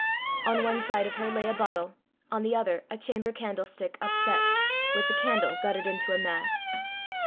On one side of her lay a bottle, on the other a chamber candlestick upset, with the candle guttered into a mass.